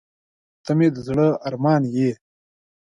• ته مې د زړه ارمان یې.